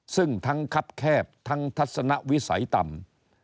ซึ่งทั้งคับแคบทั้งทัศนวิสัยต่ำ